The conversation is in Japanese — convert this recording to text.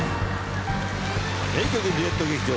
名曲デュエット劇場